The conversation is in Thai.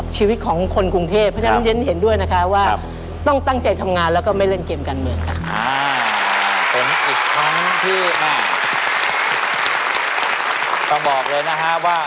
ชีวิตของคนกรุงเทพฯเพราะฉะนั้นเย็นเห็นด้วยนะคะว่า